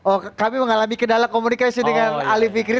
oh kami mengalami kendala komunikasi dengan ali fikri